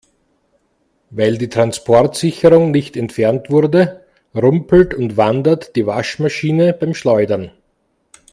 Weil die Transportsicherung nicht entfernt wurde, rumpelt und wandert die Waschmaschine beim Schleudern.